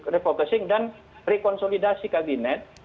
refocusing dan rekonsolidasi kabinet